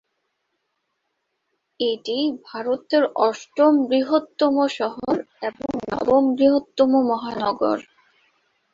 এটি ভারতের অষ্টম বৃহত্তম শহর এবং নবম বৃহত্তম মহানগর।